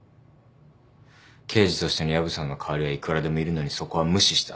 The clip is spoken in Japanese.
刑事としての薮さんの代わりはいくらでもいるのにそこは無視した。